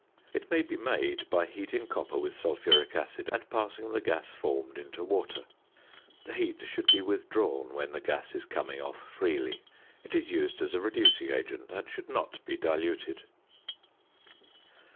It may be made by heating copper with sulphuric acid and passing the gas formed into water. The heat should be withdrawn when the gas is coming off freely. It is used as a reducing agent, and should not be diluted.